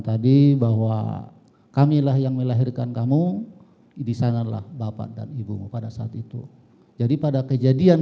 tadi bahwa kamilah yang melahirkan kamu disanalah bapak dan ibumu pada saat itu jadi pada kejadian